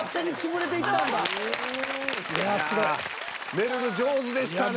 めるる上手でしたね。